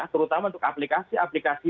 terutama untuk aplikasi aplikasi